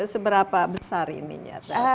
seberapa besar ini nyata